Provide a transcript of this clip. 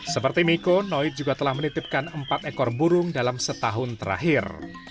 seperti miko noid juga telah menitipkan empat ekor burung dalam setahun terakhir